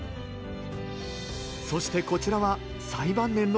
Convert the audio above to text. そしてこちらは最晩年の作品。